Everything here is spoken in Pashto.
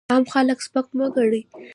عام خلک سپک مه ګڼئ!